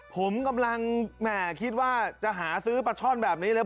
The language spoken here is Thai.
ผมกำลังแหมคิดว่าจะหาซื้อปลาช่อนแบบนี้เลย